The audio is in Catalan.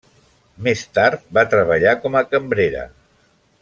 Més tard va treballar com a cambrera.